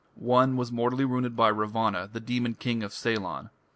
One was mortally wounded by Ravana, the demon king of Ceylon.